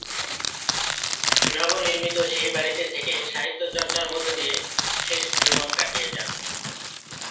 নবনির্মিত সেই বাড়িতে থেকে সাহিত্য চর্চার মধ্যদিয়ে শেষ জীবন কাটিয়ে যান।